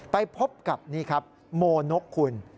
ไปพบกับโมนกคุณ